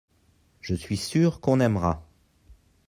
je suis sûr qu'on aimera.